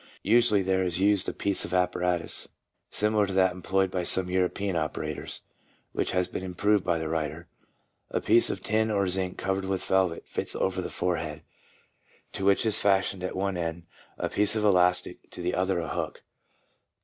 Usually there is used a piece of apparatus, similar to that employed by some European opera tors, which has been improved by the writer. A piece of tin or zinc covered with velvet fits over the forehead, to which is fastened at one end a piece of elastic, to the other a hook.